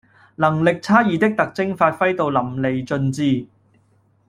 能力差異的特徵發揮到淋漓盡致